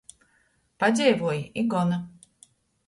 Padzeivuoji i gona.